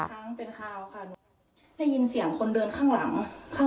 แม่งกล้าอยู่คนเดียวค่ะ